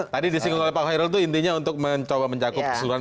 tadi disinggung oleh pak hoirul itu intinya untuk mencoba mencakup keseluruhan